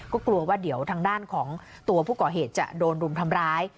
ก็กลัวว่าเดี๋ยวทางด้านของตัวผู้ก่อเหตุจะโดนรุมทำร้าย